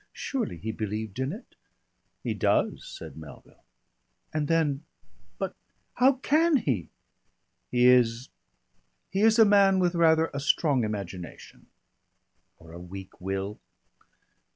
Surely he believed in it." "He does," said Melville. "And then But how can he?" "He is he is a man with rather a strong imagination." "Or a weak will?"